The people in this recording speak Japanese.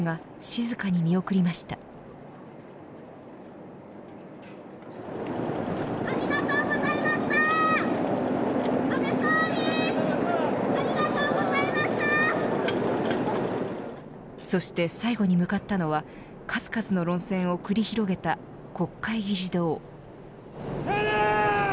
安倍総理ありがとうござそして最後に向かったのは数々の論戦を繰り広げた国会議事堂。